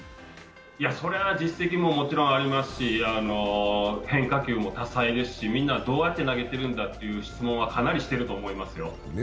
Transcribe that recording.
それは実績ももちろんありますし、変化球も多彩ですし、みんなどうやって投げてるんだという質問はかなりしてると思いますよ。